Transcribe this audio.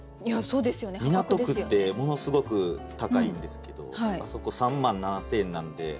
港区ってものすごく高いんですけどあそこ３万７，０００円なんで。